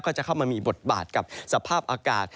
จะเข้ามามีบทบาทกับสภาพอากาศ